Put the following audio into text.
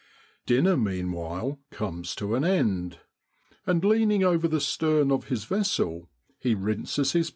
Dinner meanwhile comes to an end, and leaning over the stern of his vessel he rinses his 50 MAY IN SROADLAND.